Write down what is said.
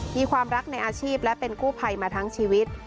มีความรักในอาชีพและเป็นกู้ภัยมาทั้งชีวิต